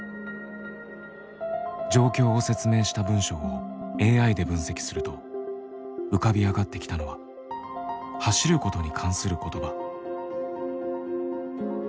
状況を説明した文章をＡＩで分析すると浮かび上がってきたのは「走ること」に関する言葉。